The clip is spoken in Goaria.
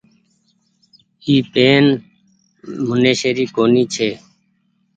اي پين منيشي ري ڪونيٚ ڇي۔